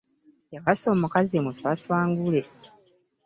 Yawasa omukazi muswaswangule.